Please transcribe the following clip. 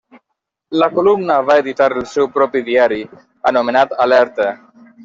La Columna va editar el seu propi diari, anomenat Alerta.